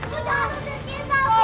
bu jangan usir kita bu